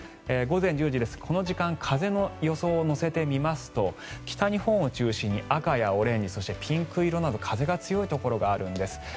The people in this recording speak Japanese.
午前１０時、この時間風の予想を乗せてみますと北日本を中心に赤やオレンジ、ピンク色など風が強いところがあるんです。